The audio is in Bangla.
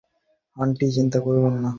আন্টি, চিন্তা করবেন না।